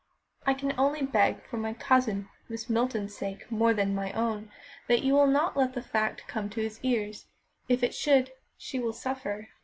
I can only beg, for my cousin Miss Milton's sake more than my own, that you will not let the fact come to his ears; if it should, she will suffer."